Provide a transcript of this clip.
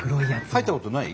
入ったことない？